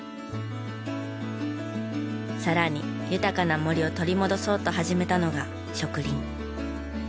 さらに豊かな森を取り戻そうと始めたのが植林。